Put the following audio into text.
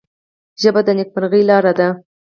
ژبه د نیکمرغۍ لاره ده